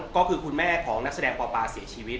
ก็คือคุณแม่ของนักแสดงป่อปาเสียชีวิต